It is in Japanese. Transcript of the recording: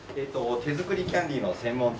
手作りキャンディーの専門店です。